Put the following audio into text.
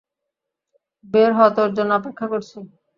বের হ, তোর জন্য অপেক্ষা করছি।